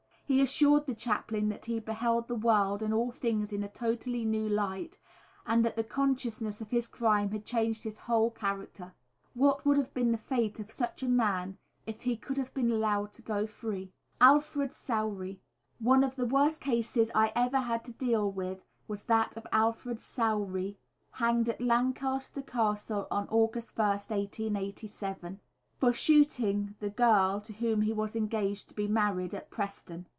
He assured the chaplain that he beheld the world and all things in a totally new light, and that the consciousness of his crime had changed his whole character. What would have been the fate of such a man if he could have been allowed to go free. [Illustration: Alfred Sowrey.] Alfred Sowrey. One of the worst cases I ever had to deal with was that of Alfred Sowrey, hanged at Lancaster Castle on August 1st, 1887, for shooting the girl to whom he was engaged to be married, at Preston.